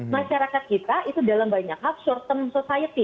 masyarakat kita itu dalam banyak hal short term society